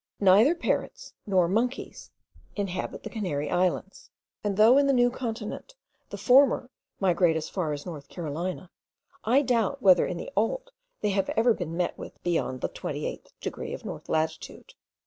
Neither parrots nor monkeys inhabit the Canary Islands; and though in the New Continent the former migrate as far as North Carolina, I doubt whether in the Old they have ever been met with beyond the 28th degree of north latitude.